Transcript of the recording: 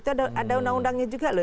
itu ada undang undangnya juga loh